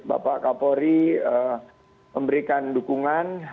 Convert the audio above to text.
bapak kapolri memberikan dukungan